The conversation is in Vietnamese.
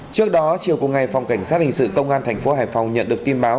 trước đó chiều cùng ngày phòng cảnh sát hình sự tông an tp hcm nhận được tin báo